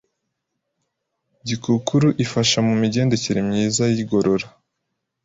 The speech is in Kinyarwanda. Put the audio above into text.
Gikukuru ifasha mu migendekere myiza y’igogora,